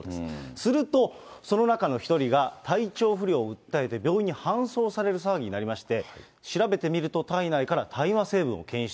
すると、その中の１人が体調不良を訴えて病院に搬送される騒ぎになりまして、調べてみると、体内から大麻成分を検出。